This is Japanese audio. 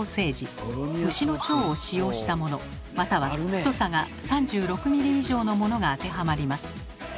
牛の腸を使用したものまたは太さが３６ｍｍ以上のものが当てはまります。